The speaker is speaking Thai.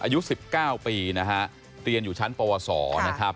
อายุ๑๙ปีนะฮะเรียนอยู่ชั้นปวสนะครับ